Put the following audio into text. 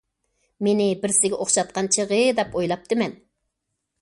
مېنى بىرسىگە ئوخشاتقان چېغى، دەپ ئويلاپتىمەن.